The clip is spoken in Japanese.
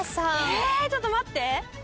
えちょっと待って。